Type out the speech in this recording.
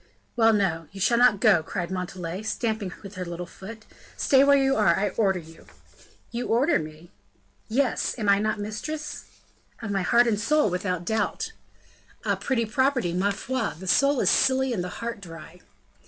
"Well! no, you shall not go!" cried Montalais, stamping with her little foot. "Stay where you are! I order you!" "You order me?" "Yes; am I not mistress?" "Of my heart and soul, without doubt." "A pretty property! ma foi! The soul is silly and the heart dry."